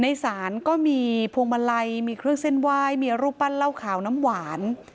ในศาลก็มีพวงมาลัยมีเครื่องเส้นไหว้มีรูปปั้นเหล้าขาวน้ำหวาน